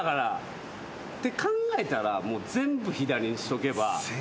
って考えたら全部左にしとけば。